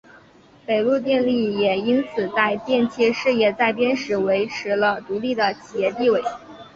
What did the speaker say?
北陆电力也因此在电气事业再编时维持了独立的企业地位。